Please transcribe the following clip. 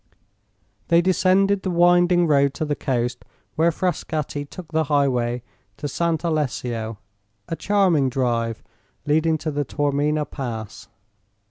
They descended the winding road to the coast, where Frascatti took the highway to Sant' Alessio, a charming drive leading to the Taormina Pass.